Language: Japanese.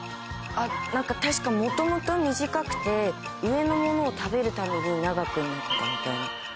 なんか確か、もともと短くて、上のものを食べるために長くなったみたいな。